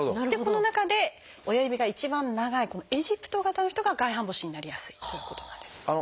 でこの中で親指が一番長いこのエジプト型の人が外反母趾になりやすいということなんです。